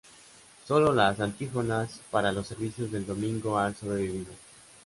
Sólo las antífonas para los servicios del domingo han sobrevivido.